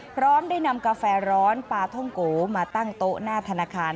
พร้อมได้นำกาแฟร้อนปลาท่องโกมาตั้งโต๊ะหน้าธนาคาร